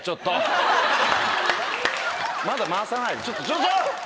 まだ回さないでちょっと！